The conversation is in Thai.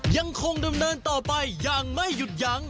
ยังคงดำเนินต่อไปอย่างไม่หยุดยั้ง